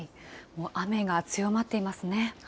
雨が強まっていますね。